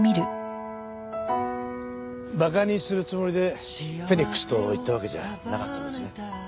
馬鹿にするつもりでフェニックスと言ったわけじゃなかったんですね。